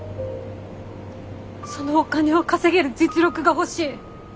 そのお金を稼げる実力が欲しい。